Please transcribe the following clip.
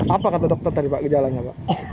apa kata dokter tadi pak gejalanya pak